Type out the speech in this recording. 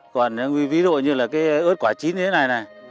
còn ví dụ như ớt quả chín như thế này này